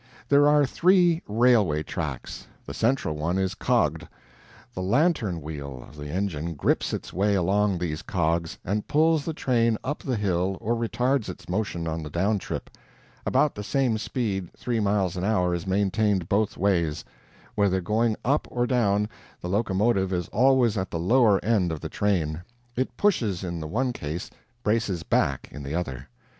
There are three railway tracks; the central one is cogged; the "lantern wheel" of the engine grips its way along these cogs, and pulls the train up the hill or retards its motion on the down trip. About the same speed three miles an hour is maintained both ways. Whether going up or down, the locomotive is always at the lower end of the train. It pushes in the one case, braces back in the other.